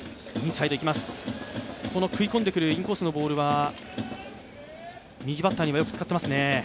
この食い込んでくるインサイドのボールは右バッターにもよく使ってますね。